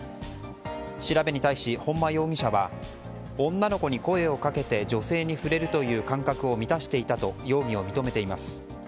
調べに対し、本間容疑者は女の子に声をかけて女性に触れるという感覚を満たしていたと容疑を認めています。